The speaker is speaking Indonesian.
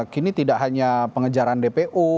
kini tidak hanya pengejaran dpu